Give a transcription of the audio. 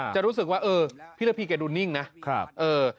จะรู้สึกว่าพี่ระพีเองส่างแหลมขึ้นเนี่ย